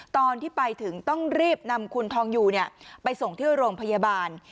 ตอนที่ไปถึงต้องรีบนำคุณทองอยู่ไปส่งที่โรงพยาบาล